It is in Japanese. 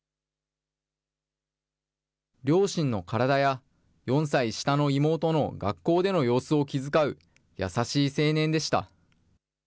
両親の体や４歳下の妹の学校での様子を気遣う優しい青年でした。